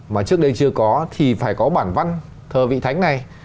mà trước đây chưa có thì phải có bản văn thờ vị thánh này